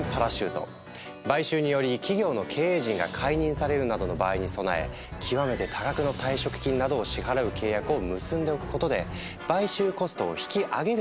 買収により企業の経営陣が解任されるなどの場合に備え極めて多額の退職金などを支払う契約を結んでおくことで買収コストを引き上げるという作戦。